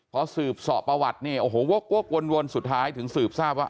พอสืบสอบประวัติเนี่ยโอ้โหวกวนสุดท้ายถึงสืบทราบว่า